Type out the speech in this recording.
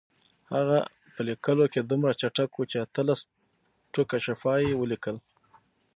هغه په لیکلو کې دومره چټک و چې اتلس ټوکه شفا یې ولیکل.